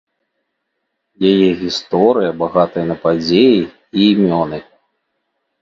Яе гісторыя багатая на падзеі і імёны.